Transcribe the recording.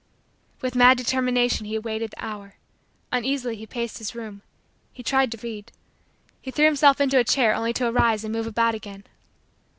With mad determination he waited the hour. Uneasily he paced his room. He tried to read. He threw himself into a chair only to arise and move about again.